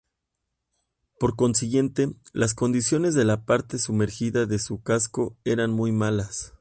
Por consiguiente, las condiciones de la parte sumergida de su casco eran muy malas.